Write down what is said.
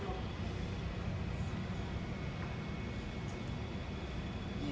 อย่างนี้